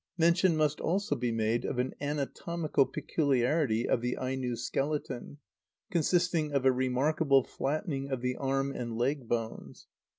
Mention must also be made of an anatomical peculiarity of the Aino skeleton, consisting of a remarkable flattening of the arm and leg bones.